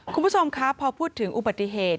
คุณผู้ชมครับพอพูดถึงอุบัติเหตุ